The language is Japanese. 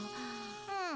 うん。